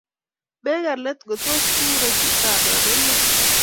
Maker let ngotos kikuro chito anan olo